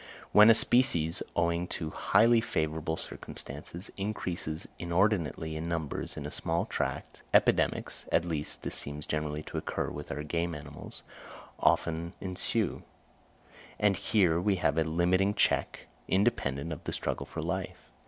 When a species, owing to highly favourable circumstances, increases inordinately in numbers in a small tract, epidemics—at least, this seems generally to occur with our game animals—often ensue; and here we have a limiting check independent of the struggle for life.